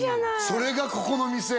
それがここの店？